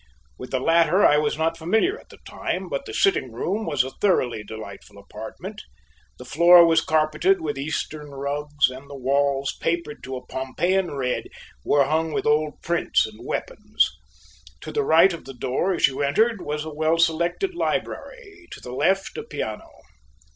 With the latter I was not familiar at that time, but the sitting room was a thoroughly delightful apartment. The floor was carpeted with Eastern rugs, and the walls, papered a Pompeiian red, were hung with old prints and weapons. To the right of the door, as you entered, was a well selected library; to the left a piano.